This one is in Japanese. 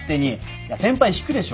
いや先輩引くでしょ。